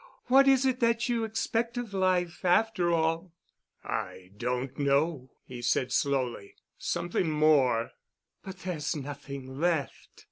What is it that you expect of life after all?" "I don't know," he said slowly, "something more——" "But there's nothing left."